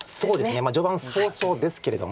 序盤早々ですけれども。